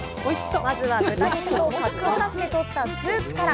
まずは、豚肉とカツオ出汁で取ったスープから！